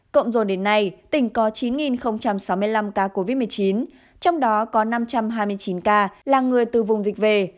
cộng dồn đến nay tỉnh có chín sáu mươi năm ca covid một mươi chín trong đó có năm trăm hai mươi chín ca là người từ vùng dịch về